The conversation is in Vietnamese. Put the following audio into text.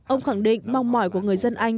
ông khẳng định mong mỏi của người dân anh